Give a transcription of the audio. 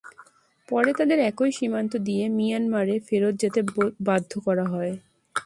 পরে তাদের একই সীমান্ত দিয়ে মিয়ানমারে ফেরত যেতে বাধ্য করা হয়।